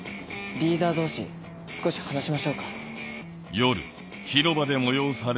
リーダー同士少し話しましょうか。